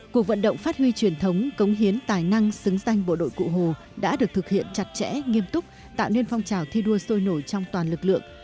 cuộc vận động phát huy truyền thống cống hiến tài năng xứng danh bộ đội cụ hồ đã được thực hiện chặt chẽ nghiêm túc tạo nên phong trào thi đua sôi nổi trong toàn lực lượng